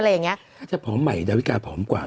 อาจจะผอมใหม่ดาวิกาผอมกว่า